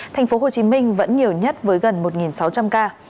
thành phố hồ chí minh vẫn nhiều nhất với gần một sáu trăm linh ca